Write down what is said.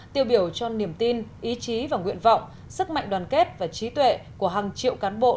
tiêu biểu cho niềm tin ý chí và nguyện vọng sức mạnh đoàn kết và trí tuệ của hàng triệu cán bộ